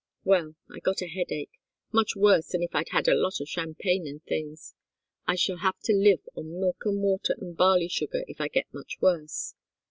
"Well I got a headache, much worse than if I'd had a lot of champagne and things. I shall have to live on milk and water and barley sugar if I get much worse.